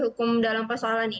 apa yang terjadi